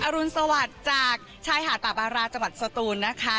รุณสวัสดิ์จากชายหาดป่าบาราจังหวัดสตูนนะคะ